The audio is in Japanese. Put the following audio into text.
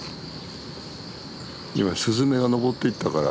今スズメが上っていったから。